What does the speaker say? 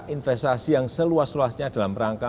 investasi yang seluas luasnya dalam rangka